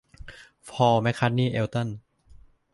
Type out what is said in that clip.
พอล แมคคาร์ทนีย์ เอลตัน